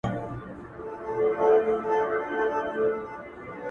مننه ستا د دې مست لاسنیوي یاد به مي یاد وي.